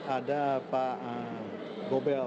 ada pak gobel